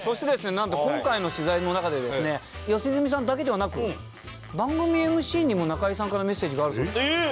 なんと今回の取材の中でですね良純さんだけではなく番組ＭＣにも中居さんからメッセージがあるそうで。